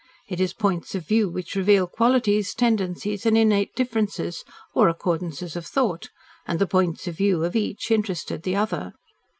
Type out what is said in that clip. It is points of view which reveal qualities, tendencies, and innate differences, or accordances of thought, and the points of view of each interested the other.